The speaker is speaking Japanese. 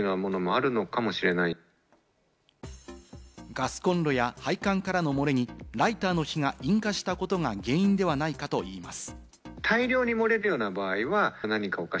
ガスコンロや配管からの漏れにライターの火が引火したことが原因ではないかと言います。